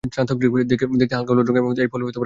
দেখতে হাল্কা হলুদ রং এর এই ফল এর ত্বক খাঁজ কাটা থাকে।